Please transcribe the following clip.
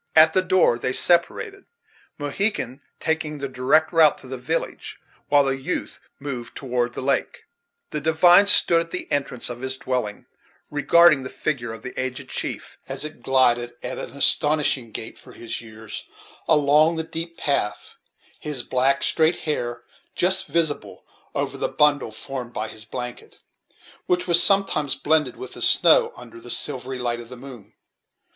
At the door they separated, Mohegan taking the direct route to the village, while the youth moved toward the lake. The divine stood at the entrance of his dwelling, regarding the figure of the aged chief as it glided, at an astonishing gait for his years, along the deep path; his black, straight hair just visible over the bundle formed by his blanket, which was sometimes blended with the snow, under the silvery light of the moon.